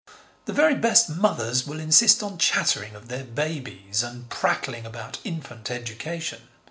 The very best mothers will insist on chattering of their babies and prattling about infant education.